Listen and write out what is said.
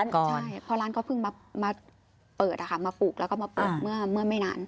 ใช่เพราะร้านเขาเพิ่งมาเปิดมาปลูกแล้วก็มาเปิดเมื่อไม่นาน